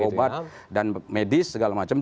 obat dan medis segala macam